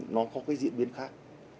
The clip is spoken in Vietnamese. nó có cái diễn biến khác